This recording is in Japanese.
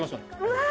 うわ！